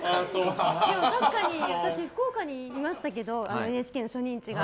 確かに私、福岡にいましたけどＮＨＫの初任地が。